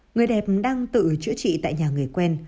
người đẹp đang tự chữa trị tại nhà người quen